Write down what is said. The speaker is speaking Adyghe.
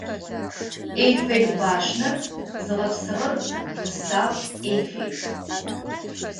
Эйфел башнэр зыгъэпсыгъэр Густав Эйфел.